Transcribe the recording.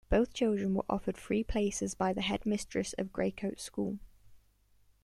Both children were offered free places by the headmistress of Greycotes School.